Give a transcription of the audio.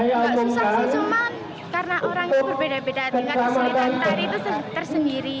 nggak susah sih cuma karena orangnya berbeda beda dengan kesulitan tari itu tersendiri